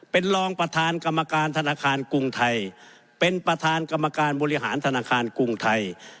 เป็นรองประธานกรรมการธนาคารกรุงไทยเป็นประธานกรรมการบริหารธนาคารกรุงไทย